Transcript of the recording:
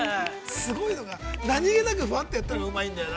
◆すごいのが何げなく、ばってやったのがうまいんだよな。